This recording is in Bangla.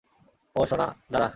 ওহ সোনা, দাঁড়া!